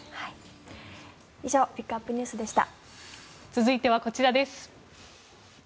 以上ピックアップＮＥＷＳでした。